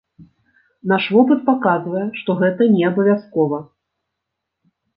Наш вопыт паказвае, што гэта неабавязкова.